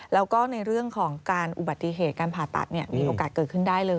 แล้วก็ในเรื่องของการอุบัติเหตุการผ่าตัดมีโอกาสเกิดขึ้นได้เลย